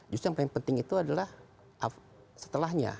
justru yang paling penting itu adalah setelahnya